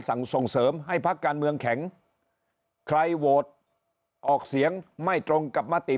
ส่งเสริมให้พักการเมืองแข็งใครโหวตออกเสียงไม่ตรงกับมติ